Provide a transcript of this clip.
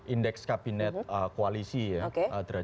indeks kabinet koalisi ya